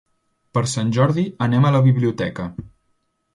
Per Sant Jordi anem a la biblioteca.